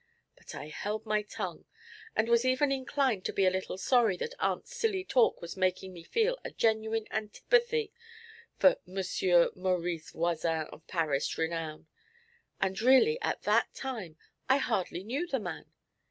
But I held my tongue, and was even inclined to be a little sorry that aunt's silly talk was making me feel a genuine antipathy for M. Maurice Voisin of Paris renown; and really at that time I hardly knew the man.